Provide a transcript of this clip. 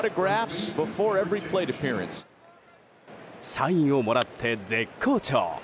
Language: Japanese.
サインをもらって絶好調。